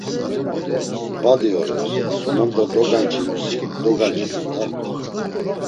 Badi orer, mondo doganç̌inusi doganciru da!